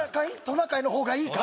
トナカイの方がいいかい？